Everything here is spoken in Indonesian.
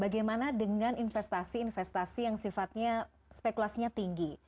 bagaimana dengan investasi investasi yang sifatnya spekulasinya tinggi